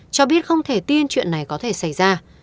cho biết không thể tin chuyện này có thể xảy ra